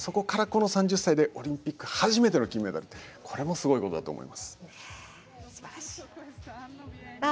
そこから３０歳でオリンピック初めての金メダルすばらしい。